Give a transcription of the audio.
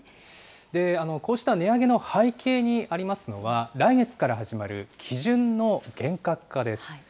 こうした値上げの背景にありますのは、来月から始まる基準の厳格化です。